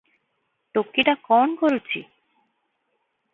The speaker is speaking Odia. "ଟୋକିଟା କଣ କରୁଛି?"